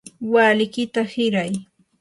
walikiyta hiray.